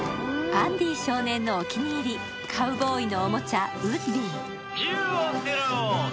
アンディ少年のお気に入り、カウボーイのおもちゃ、ウッディ。